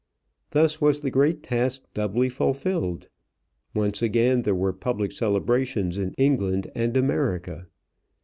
Thus was the great task doubly fulfilled. Once again there were public celebrations in England and America.